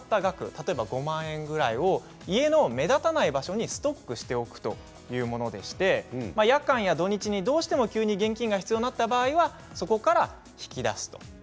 例えば５万円ぐらいを家の目立たない場所にストックしておくというものでして夜間や土日にどうしても急に現金が必要になった場合そこから引き出す。